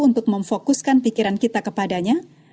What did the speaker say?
untuk memfokuskan pikiran kita kepadanya